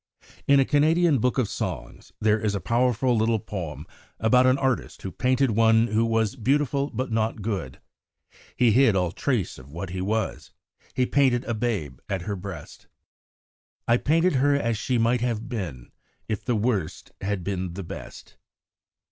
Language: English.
In a Canadian book of songs there is a powerful little poem about an artist who painted one who was beautiful but not good. He hid all trace of what was; he painted a babe at her breast. I painted her as she might have been If the Worst had been the Best.